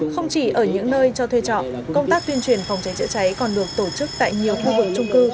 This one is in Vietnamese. không chỉ ở những nơi cho thuê trọ công tác tuyên truyền phòng cháy chữa cháy còn được tổ chức tại nhiều khu vực trung cư